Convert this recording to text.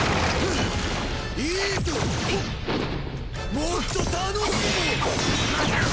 もっと楽しもう！